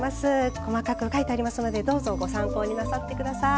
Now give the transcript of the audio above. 細かく書いてありますのでどうぞご参考になさってください。